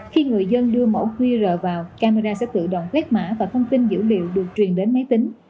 khi người dân đưa mã qr vào camera sẽ tự động quét mã và thông tin dữ liệu được truyền đến máy tính